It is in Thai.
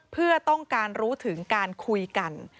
เพื่อต้องการรู้ถึงการคุยกัน